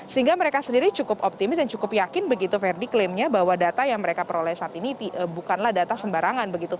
sehingga mereka sendiri cukup optimis dan cukup yakin begitu ferdi klaimnya bahwa data yang mereka peroleh saat ini bukanlah data sembarangan begitu